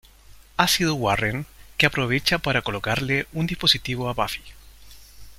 Ha sido Warren, que aprovecha para colocarle un dispositivo a Buffy.